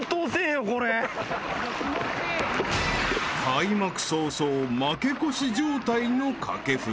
［開幕早々負け越し状態の掛布］